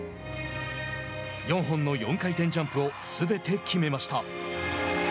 ４本の４回転ジャンプをすべて決めました。